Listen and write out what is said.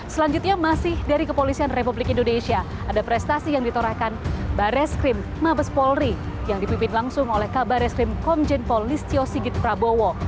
selanjutnya masih dari kepolisian republik indonesia ada prestasi yang ditorahkan bareskrim mabes polri yang dipimpin langsung oleh kabareksrim komjen paul listio sigit prabowo